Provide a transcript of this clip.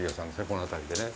この辺りでね。